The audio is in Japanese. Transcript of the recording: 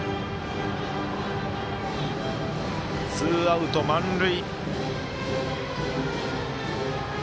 ツーアウト、満塁。